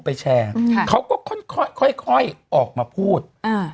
แชร์ค่ะเขาก็ค่อยค่อยออกมาพูดอ่า